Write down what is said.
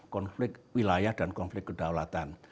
konflik wilayah dan konflik kedaulatan